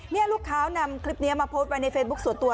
นี่ลูกค้านำคลิปนี้มาโพสต์ไว้ในเฟซบุ๊คส่วนตัว